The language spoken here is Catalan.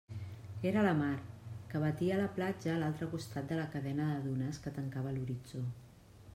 Era la mar, que batia la platja a l'altre costat de la cadena de dunes que tancava l'horitzó.